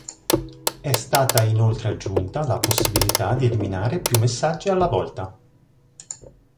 È stata inoltre aggiunta la possibilità di eliminare più messaggi alla volta.